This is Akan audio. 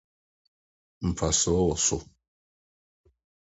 Mfaso wɔ so.